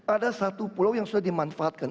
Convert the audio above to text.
ada satu pulau yang sudah dimanfaatkan